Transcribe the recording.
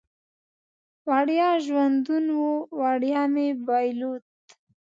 وړیا ژوندون و، وړیا مې بایلود